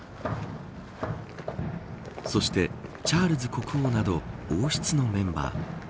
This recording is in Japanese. そして、チャールズ国王など王室のメンバー